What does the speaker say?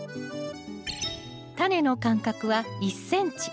タネの間隔は１ｃｍ。